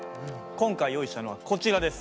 今回用意したのはこちらです。